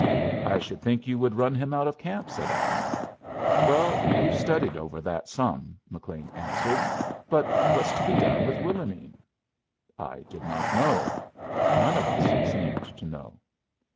"I should think you would run him out of camp," said I. "Well, we've studied over that some," McLean answered. "But what's to be done with Willomene?" I did not know. None of us seemed to know.